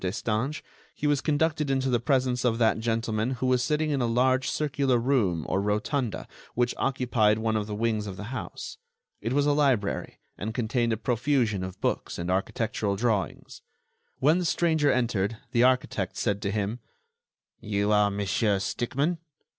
Destange, he was conducted into the presence of that gentleman who was sitting in a large circular room or rotunda which occupied one of the wings of the house. It was a library, and contained a profusion of books and architectural drawings. When the stranger entered, the architect said to him: "You are Monsieur Stickmann?"